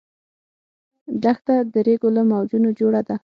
دښته د ریګو له موجونو جوړه ده.